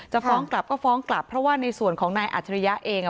ฟ้องกลับก็ฟ้องกลับเพราะว่าในส่วนของนายอัจฉริยะเอง